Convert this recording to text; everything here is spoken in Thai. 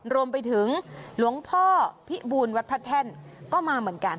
รวมไปถึงหลวงพ่อพิบูลวัดพระแท่นก็มาเหมือนกัน